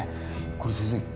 これ先生